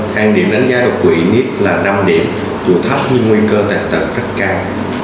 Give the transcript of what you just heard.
hàng điểm đánh giá đột quỷ miếp là năm điểm dù thấp nhưng nguy cơ tài tật rất cao